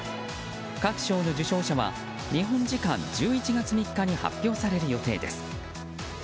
各賞の受賞者は日本時間１１月３日に発表される予定です。